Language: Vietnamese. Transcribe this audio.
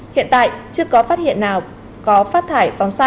hiện tại chưa có phát hiện nào có phát thải phóng xạ